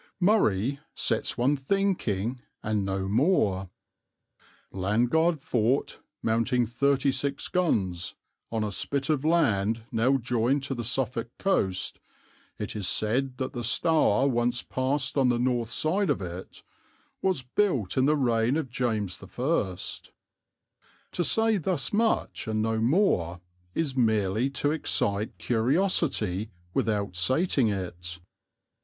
"Murray" sets one thinking and no more. "Landguard Fort (mounting 36 guns), on a spit of land now joined to the Suffolk coast (it is said that the Stour once passed on the north side of it), was built in the reign of James I." To say thus much and no more is merely to excite curiosity without sating it.